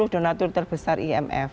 sepuluh donatur terbesar imf